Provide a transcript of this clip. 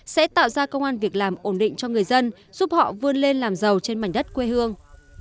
sẽ tạo ra công an việc làm ổn định cho người dân giúp họ vươn lên làm giàu trên mảnh đất quê hương